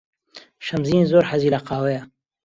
شەمزین زۆر حەزی لە قاوەیە.